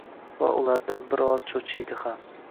va ulardan bir oz cho‘chiydi ham”.